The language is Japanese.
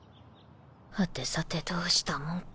はてさてどうしたもんか。